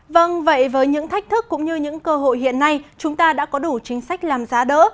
vâng vậy với những thách thức cũng như những cơ hội hiện nay chúng ta đã có đủ chính sách làm giá đỡ